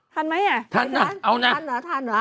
ทันไหม่อ้าวเอาน่าทันทัน